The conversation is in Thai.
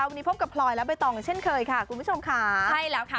วันนี้พบกับพลอยและใบตองเช่นเคยค่ะคุณผู้ชมค่ะใช่แล้วค่ะ